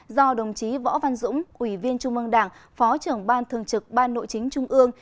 do đồng chí võ văn dũng ủy viên trung mương đảng phó trưởng ban thường trực ban nội chính trung ương